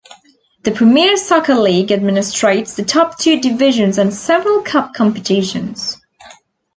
The Premier Soccer League administrates the top two divisions and several cup competitions.